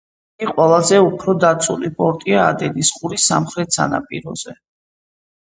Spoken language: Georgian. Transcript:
იგი ყველაზე უფრო დაცული პორტია ადენის ყურის სამხრეთ სანაპიროზე.